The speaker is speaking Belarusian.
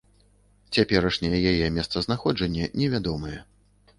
Цяперашняе яе месцазнаходжанне невядомае.